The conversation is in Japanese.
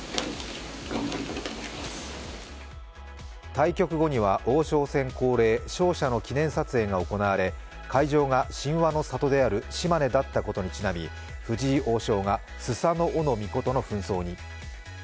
対局後には王将戦恒例・勝者の記念撮影が行われ、会場が神話の里である島根だったことにちなみ、藤井王将がスサノオノミコトのふん装に。